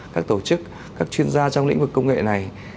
các tổ chức các chuyên gia trong lĩnh vực công nghệ này